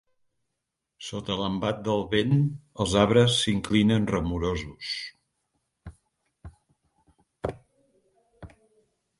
Sota l'embat del vent, els arbres s'inclinen, remorosos.